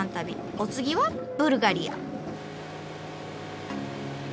お次はブルガリア。